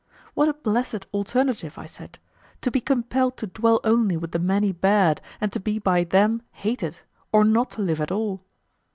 What a blessed alternative, I said:—to be compelled to dwell only with the many bad, and to be by them hated, or not to live at all!